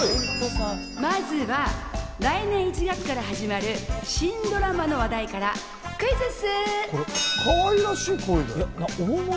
まずは来年１月から始まる新ドラマの話題から、クイズッス。